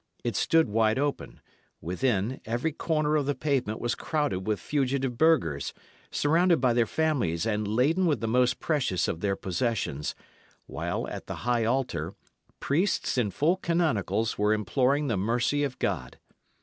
It stood wide open; within, every corner of the pavement was crowded with fugitive burghers, surrounded by their families and laden with the most precious of their possessions, while, at the high altar, priests in full canonicals were imploring the mercy of God.